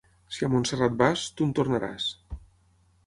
Si a Montserrat vas, tu en tornaràs.